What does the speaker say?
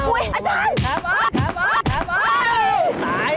อุ้ยอาจารย์